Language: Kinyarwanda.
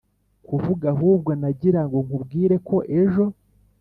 kuvuga ahubwo nagiraga ngo nkubwire ko ejo